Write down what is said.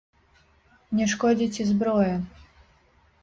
Не шкодзіць і зброя.